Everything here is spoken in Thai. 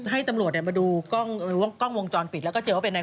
ให้ตำรวจมาดูกล้องกล้องวงจรปิดแล้วก็เจอว่าเป็นนาย